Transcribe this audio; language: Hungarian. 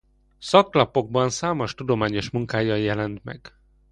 Szaklapokban számos tudományos munkája jelent meg.